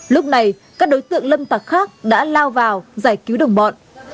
lúc này các đối tượng lâm tặc khác đã lao vào giải cứu đồng bọn